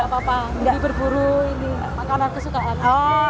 gak apa apa ini berburu ini makanan kesukaan